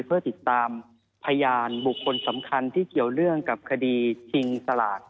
เพื่อติดตามพยานบุคคลสำคัญที่เกี่ยวเนื่องกับคดีชิงสลาก